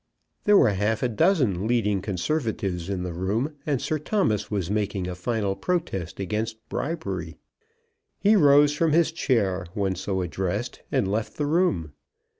There were half a dozen leading Conservatives in the room, and Sir Thomas was making a final protest against bribery. He rose from his chair when so addressed, and left the room.